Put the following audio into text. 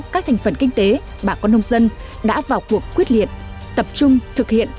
các thành phần kinh tế bà con nông dân đã vào cuộc quyết liệt tập trung thực hiện